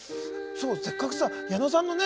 せっかくさ矢野さんのね